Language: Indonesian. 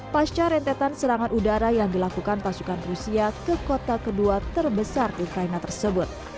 pasca rentetan serangan udara yang dilakukan pasukan rusia ke kota kedua terbesar ukraina tersebut